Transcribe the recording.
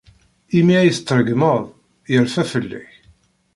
Imi ay t-tregmeḍ, yerfa fell-ak.